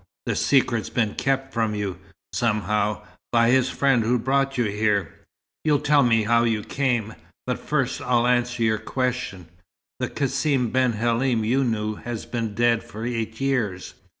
The secret's been kept from you, somehow, by his friend who brought you here. You'll tell me how you came; but first I'll answer your question. The Cassim ben Halim you knew, has been dead for eight years."